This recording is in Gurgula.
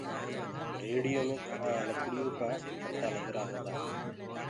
ريڙهيو مي ڪآٺو ڪآ ڦٽآ ڪگرآ هوندآ هينٚ۔